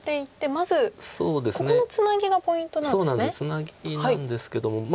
ツナギなんですけども。